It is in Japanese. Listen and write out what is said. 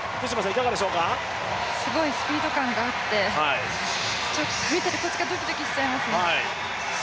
すごいスピード感があって、見ているこっちがドキドキしちゃいますね。